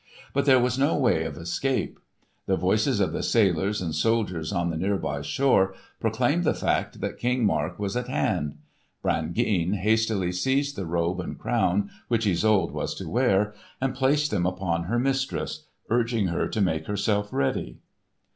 But there was no way of escape. The voices of the sailors and soldiers on the near by shore proclaimed the fact that King Mark was at hand. Brangeane hastily seized the robe and crown, which Isolde was to wear, and placed them upon her mistress, urging her to make herself ready.